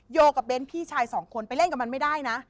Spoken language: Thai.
โยกับเบ้นพี่ชายสองคนไปเล่นกับมันไม่ได้นะ